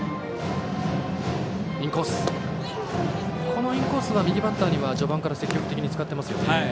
このインコースは右バッターには序盤から積極的に使っていますね。